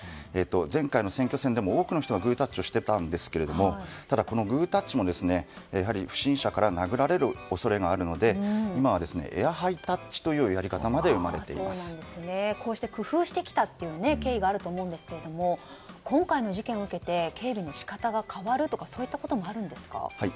前回の選挙戦でも多くの人がグータッチをしていましたがこのグータッチも不審者から殴られる恐れがあるので今はエアハイタッチというこうして工夫してきたという経緯があると思いますが今回の事件を受けて警備の仕方が変わるとかそういったこともあるんですか。